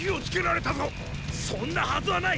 そんなはずはない！